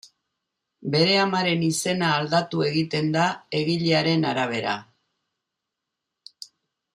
Bere amaren izena aldatu egiten da egilearen arabera.